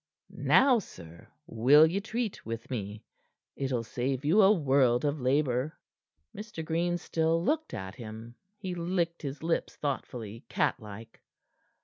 Now, sir, will ye treat with me? It'll save you a world of labor." Mr. Green still looked at him. He licked his lips thoughtfully, cat like.